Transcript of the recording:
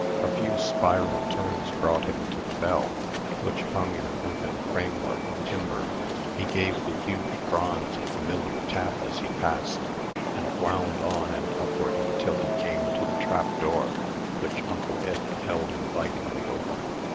A few spiral turns brought him to the bell, which hung in an open framework of timber. He gave the huge bronze a familiar tap as he passed, and wound on and upward until he came to a trap door, which Uncle Ith held invitingly open.